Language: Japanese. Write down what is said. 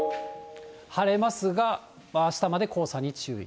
晴れますが、あしたまで黄砂に注意。